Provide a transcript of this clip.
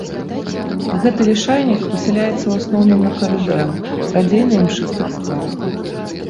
Гэты лішайнік пасяляецца ў асноўным на кары дрэў, радзей на імшыстых скалах.